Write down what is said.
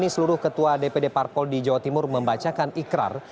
seluruh ketua dpd parpol di jawa timur membacakan ikrar